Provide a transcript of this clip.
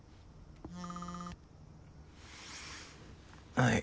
はい。